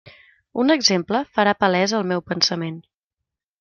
Un exemple farà palès el meu pensament.